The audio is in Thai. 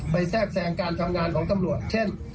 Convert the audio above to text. แทรกแทรงการทำงานของตำรวจเช่น